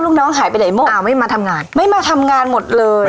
ลูกน้องหายไปไหนหมดอ้าวไม่มาทำงานไม่มาทำงานหมดเลย